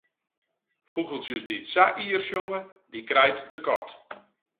Fûgeltsjes dy't sa ier sjonge, dy krijt de kat.